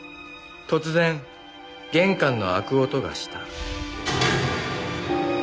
「突然玄関の開く音がした」